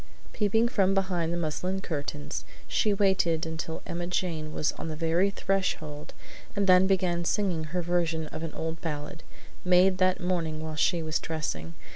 Peeping from behind the muslin curtains, she waited until Emma Jane was on the very threshold and then began singing her version of an old ballad, made that morning while she was dressing.